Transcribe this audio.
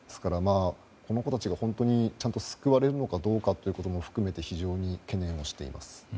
この子たちが、ちゃんと救われるかどうかも含めて非常に懸念はしています。